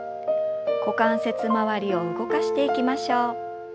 股関節周りを動かしていきましょう。